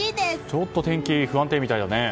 ちょっと天気不安定みたいだね。